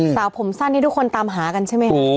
สาวผมสั้นที่ทุกคนตามหากันใช่ไหม